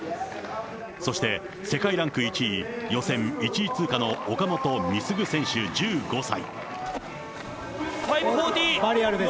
そして、世界ランク１位、予選１位通過の岡本碧優選手１５歳。